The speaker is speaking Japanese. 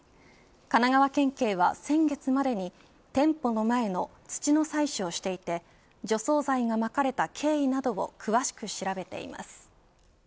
神奈川県警は、先月までに店舗の前の土の採取をしていて除草剤がまかれた経緯などを詳しく調べています。